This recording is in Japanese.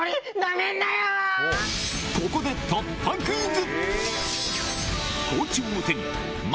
ここで突破クイズ！